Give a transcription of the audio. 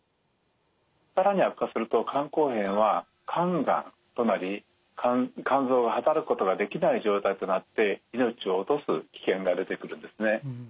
更に悪化すると肝硬変は肝がんとなり肝臓が働くことができない状態となって命を落とす危険が出てくるんですね。